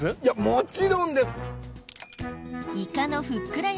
もちろんです！